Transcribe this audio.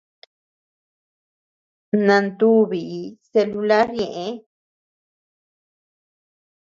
Nantubi celular ñeʼe.